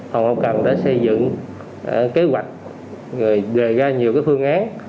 hồng học cần đã xây dựng kế hoạch đề ra nhiều phương án